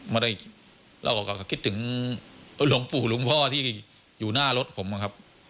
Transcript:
ไม่ได้แล้วก็คิดถึงหลวงปู่หลวงพ่อที่อยู่หน้ารถผมนะครับ